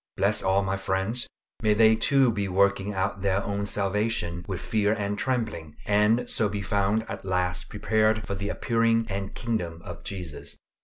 Bless all my friends; may they too be working out their own salvation with fear and trembling, and so be found at last prepared for the appearing and kingdom of Jesus.